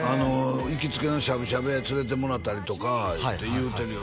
行きつけのしゃぶしゃぶ屋連れていってもらったりとかって言うてるよ